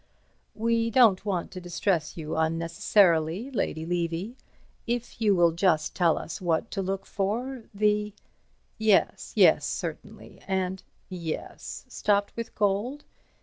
"We don't want to distress you unnecessarily, Lady Levy. If you will just tell us what to look for–the—? Yes, yes, certainly—and—yes—stopped with gold?